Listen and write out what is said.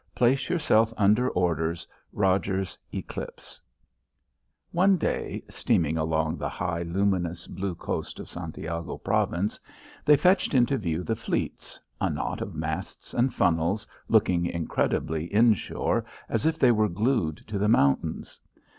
Place yourself under orders. ROGERS, Eclipse." One day, steaming along the high, luminous blue coast of Santiago province, they fetched into view the fleets, a knot of masts and funnels, looking incredibly inshore, as if they were glued to the mountains.